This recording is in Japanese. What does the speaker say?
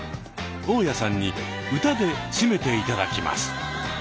大家さんに歌でしめて頂きます。